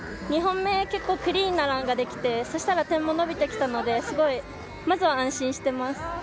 ２本目結構クリーンなランができてそうしたら点も伸びてきたのでまずは安心しています。